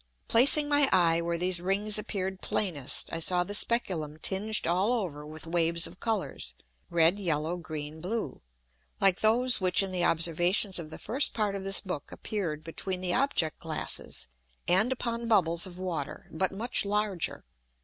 Placing my Eye where these Rings appear'd plainest, I saw the Speculum tinged all over with Waves of Colours, (red, yellow, green, blue;) like those which in the Observations of the first part of this Book appeared between the Object glasses, and upon Bubbles of Water, but much larger.